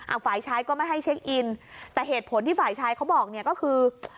ฝ่ายชายก็ไม่ให้เช็คอินแต่เหตุผลที่ฝ่ายชายเขาบอกเนี่ยก็คือ